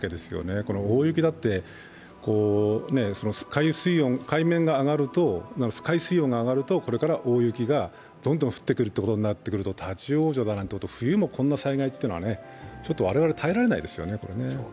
この大雪だって、海水温が上がるとこれから大雪がどんどん降ってくることになってくると、立往生だなんてこと、冬もこんな災害というのはちょっと我々耐えられないですよね。